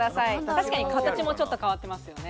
確かに、形もちょっと変わっていますよね。